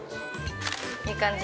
いい感じ。